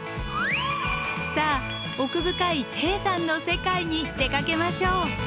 さあ奥深い低山の世界に出かけましょう。